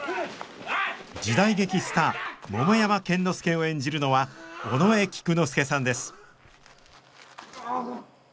時代劇スター桃山剣之介を演じるのは尾上菊之助さんです